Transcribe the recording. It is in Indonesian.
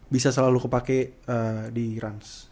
bisa selalu kepake di rans